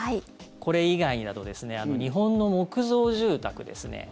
これ以外にだと日本の木造住宅ですね。